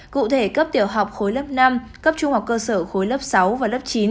cụ thể cấp tiểu học khối lớp năm cấp trung học cơ sở khối lớp sáu và lớp chín